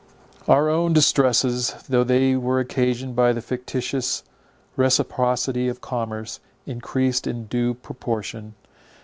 Our own distresses, though they were occasioned by the fictitious reciprocity of commerce, encreased in due proportion.